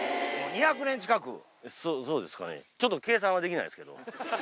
そうですかね、ちょっと計算はできないですけども。